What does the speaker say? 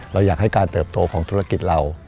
เราอยากให้การเติบโตของธุรกิจเรา